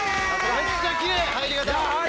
めっちゃキレイ入り方！